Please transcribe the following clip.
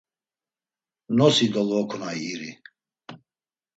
Nosi dolvokunay iri.